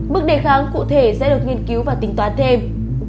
bước đề kháng cụ thể sẽ được nghiên cứu và tính toán thêm